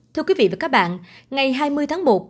thưa quý vị và các bạn ngày hai mươi tháng một